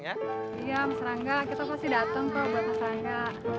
iya mas rangga kita pasti datang buat mas rangga